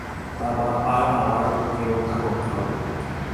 আর আমার ওকে রক্ষা করতে হবে।